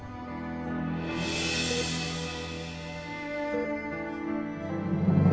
dan saya juga